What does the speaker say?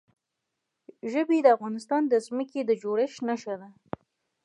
ژبې د افغانستان د ځمکې د جوړښت نښه ده.